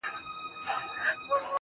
زه ومه ويده اكثر~